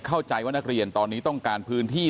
เข้าใจว่านักเรียนตอนนี้ต้องการพื้นที่